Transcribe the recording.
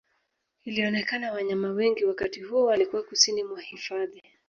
Ilionekana wanyama wengi wakati huo walikuwa kusini mwa hifadhi